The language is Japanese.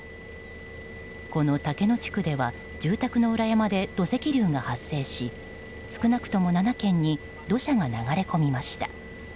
この竹野地区では住宅の裏山で土石流が発生し少なくとも７軒に土砂が流れ込みました。